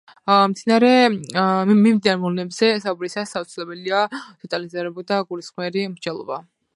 მიმდინარე მოვლენებზე საუბრისას აუცილებლია დეტალიზებული და გულისხმიერი მსჯელობა.